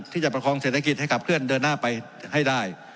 ประคองเศรษฐกิจให้ขับเคลื่อนเดินหน้าไปให้ได้